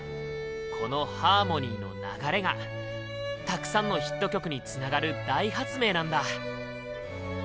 このハーモニーの流れがたくさんのヒット曲につながる大発明なんだ。